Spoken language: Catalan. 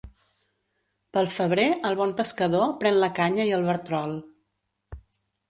Pel febrer, el bon pescador, pren la canya i el bertrol.